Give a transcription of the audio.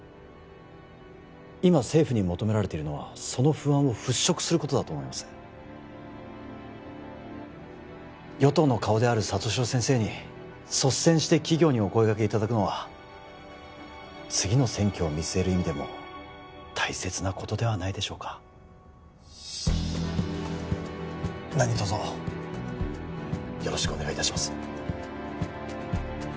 今政府に求められているのはその不安を払拭することだと思います与党の顔である里城先生に率先して企業にお声がけいただくのは次の選挙を見据える意味でも大切なことではないでしょうか何とぞよろしくお願いいたします